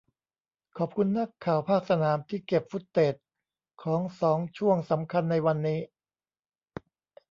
ขอบคุณนักข่าวภาคสนามที่เก็บฟุตเทจของสองช่วงสำคัญในวันนี้